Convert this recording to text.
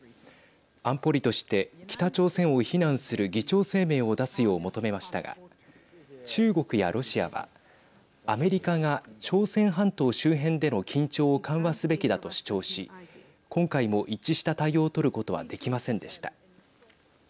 安保理として、北朝鮮を非難する議長声明を出すよう求めましたが中国やロシアはアメリカが朝鮮半島周辺での緊張を緩和すべきだと主張し今回も一致した対応を取ることはできませんでした。